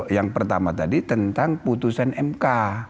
yang pertama tadi tentang putusan mk